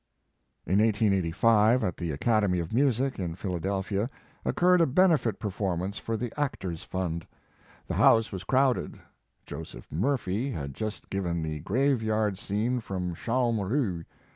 In 1885, at the Academy of Music, in Philadelphia, occurred a benefit perform ance for the Actors Fund. The house was crowded. Joseph Murphy had just given the graveyard scene from "Shaun Rhue."